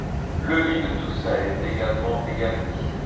Le lit de Toussaint était également dégarni.